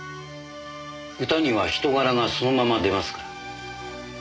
歌には人柄がそのまま出ますから。